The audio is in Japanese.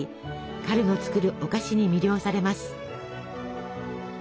彼の作るお菓子に魅了されます。